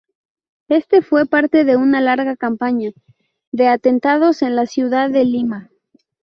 Este fue parte de una larga campaña de atentados en la ciudad de Lima.